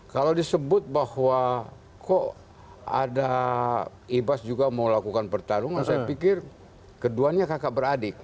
kalau disebut bahwa kok ada ibas juga mau lakukan pertarungan saya pikir keduanya kakak beradik